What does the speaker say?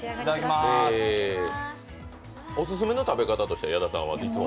オススメの食べ方としては矢田さんは、いつもは？